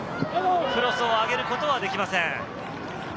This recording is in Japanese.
クロスを上げることはできません。